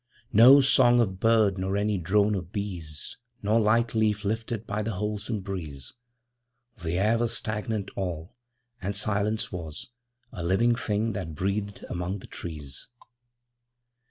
'No song of bird nor any drone of bees, Nor light leaf lifted by the wholesome breeze: The air was stagnant all, and Silence was A living thing that breathed among the trees.